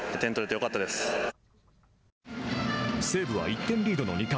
西武は１点リードの２回。